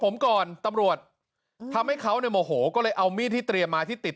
อำนาจมันช็อกก่อนอย่างเงี้ยหรอก